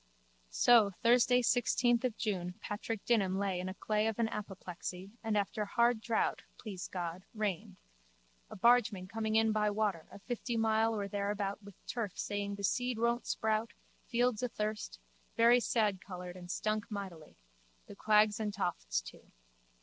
So Thursday sixteenth June Patk. Dignam laid in clay of an apoplexy and after hard drought, please God, rained, a bargeman coming in by water a fifty mile or thereabout with turf saying the seed won't sprout, fields athirst, very sadcoloured and stunk mightily, the quags and tofts too.